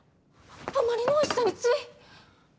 あまりのおいしさについ。